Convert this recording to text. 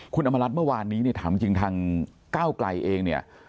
คุณอำมารัฐเมื่อวานนี้ถามจริงทางก้าวไกลเอง